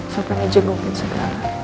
sampai ngejengukin segala